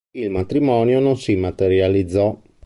Il matrimonio non si materializzò.